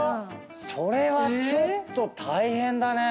それはちょっと大変だね。